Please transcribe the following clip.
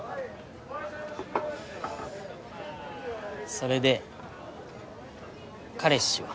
それで彼氏は？